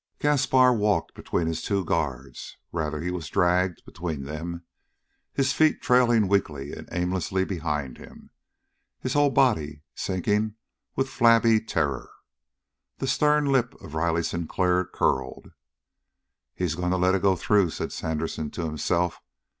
Gaspar walked between his two guards. Rather he was dragged between them, his feet trailing weakly and aimlessly behind him, his whole body sinking with flabby terror. The stern lip of Riley Sinclair curled. "He's going to let it go through," said Sandersen to himself.